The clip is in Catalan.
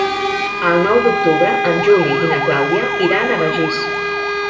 El nou d'octubre en Juli i na Clàudia iran a Begís.